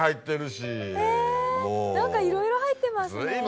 え何かいろいろ入ってますね。